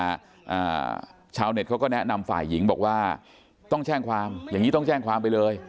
อ่าชาวเน็ตเขาก็แนะนำฝ่ายหญิงบอกว่าต้องแจ้งความอย่างงี้ต้องแจ้งความไปเลย